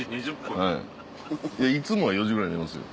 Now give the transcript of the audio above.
いやいつもは４時ぐらいに寝ますよ。